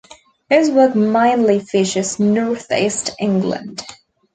His work mainly features North East England.